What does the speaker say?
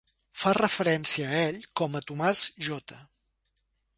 Fa referència a ell com a Thomas J.